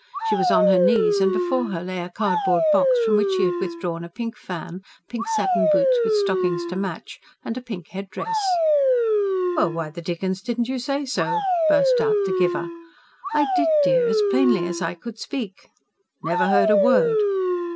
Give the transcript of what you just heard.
She was on her knees, and before her lay a cardboard box from which she had withdrawn a pink fan, pink satin boots with stockings to match, and a pink head dress. "Well, why the dickens didn't you say so?" burst out the giver. "I did, dear. As plainly as I could speak." "Never heard a word!"